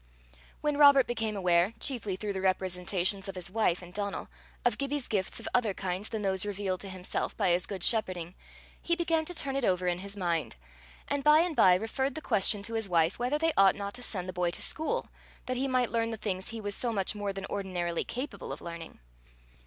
When Robert became aware, chiefly through the representations of his wife and Donal, of Gibbie's gifts of other kinds than those revealed to himself by his good shepherding, he began to turn it over in his mind, and by and by referred the question to his wife whether they ought not to send the boy to school, that he might learn the things he was so much more than ordinarily capable of learning.